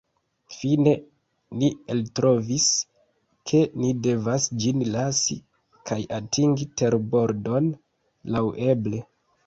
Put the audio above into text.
Fine, ni eltrovis ke ni devas ĝin lasi, kaj atingi terbordon laŭeble.